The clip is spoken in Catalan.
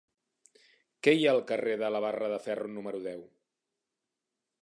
Què hi ha al carrer de la Barra de Ferro número deu?